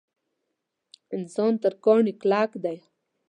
انسان تر کاڼي کلک دی.